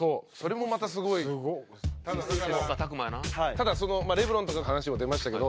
ただレブロンとかの話も出ましたけど